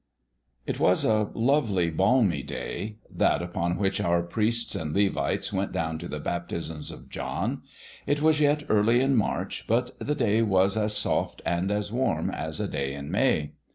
IT was a lovely, balmy day that upon which our priests and Levites went down to the baptisms of John. It was yet early in March, but the day was as soft and as warm as a day in May.